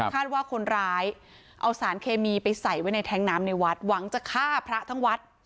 คาดว่าคนร้ายเอาสารเคมีไปใส่ไว้ในแท้งน้ำในวัดหวังจะฆ่าพระทั้งวัด